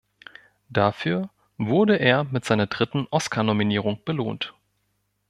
Dafür wurde er mit seiner dritten Oscarnominierung belohnt.